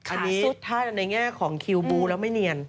อันนี้ถ้าในแง่ของคิวบูแล้วไม่เนียน